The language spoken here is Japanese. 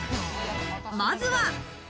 まずは。